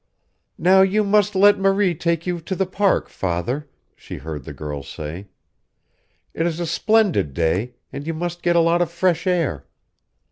"Now you must let Marie take you to the Park, father," he heard the girl say. "It is a splendid day, and you must get a lot of fresh air.